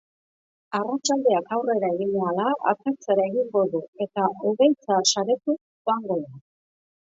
Arratsaldeak aurrera egin ahala, atertzera egingo du eta hodeitza saretuz joango da.